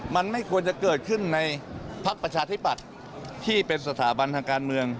มันไม่ควรจะเกิดขึ้นในพักประชาธิปัตย์ที่เป็นสถาบันทางการเมือง